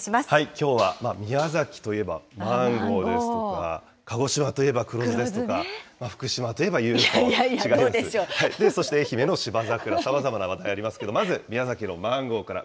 きょうは宮崎といえばマンゴーですとか、鹿児島といえば黒酢ですとか、福島といえばＵＦＯ、そして愛媛の芝桜、さまざまな話題ありますけれども、まず、宮崎のマンゴーから。